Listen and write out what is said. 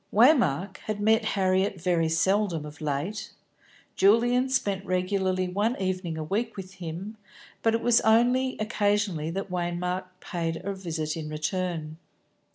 Waymark had met Harriet very seldom of late. Julian spent regularly one evening a week with him, but it was only occasionally that Waymark paid a visit in turn.